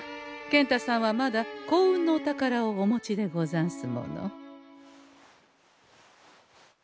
健太さんはまだ幸運のお宝をお持ちでござんすもの。